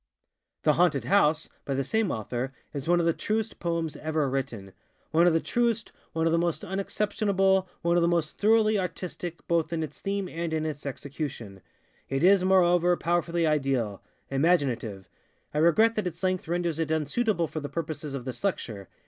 ŌĆ£The Haunted House, ŌĆØ by the same author, is one of the truest poems ever written, ŌĆöone of the truest, one of the most unexceptionable, one of the most thoroughly artistic, both in its theme and in its execution. It is, moreover, powerfully idealŌĆöimaginative. I regret that its length renders it unsuitable for the purposes of this lecture.